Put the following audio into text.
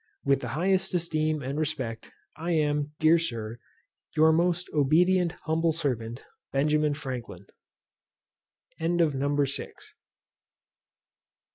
With the highest esteem and respect, I am, Dear Sir, Your most obedient humble servant, B. FRANKLIN. NUMBER VII.